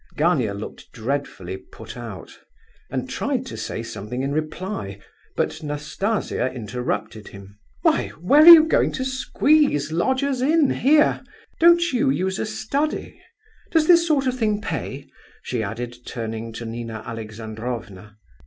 Gania looked dreadfully put out, and tried to say something in reply, but Nastasia interrupted him: "Why, where are you going to squeeze lodgers in here? Don't you use a study? Does this sort of thing pay?" she added, turning to Nina Alexandrovna.